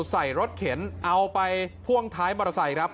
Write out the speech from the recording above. ใส่รถเข็นเอาไปพ่วงท้ายมาตรศัยกันครับ